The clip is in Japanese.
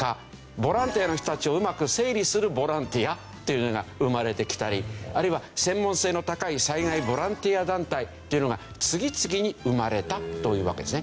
ボランティアの人たちをうまく整理するボランティアっていうのが生まれてきたりあるいは専門性の高い災害ボランティア団体っていうのが次々に生まれたというわけですね。